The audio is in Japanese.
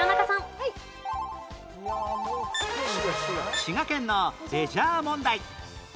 滋賀県のレジャー問題